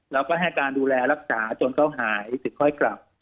แล้วก็ให้การดูแลรักษาจนเขาหายถึงค่อยกลับ